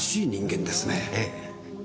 ええ。